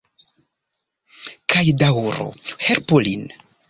Kaj daŭru... helpu lin.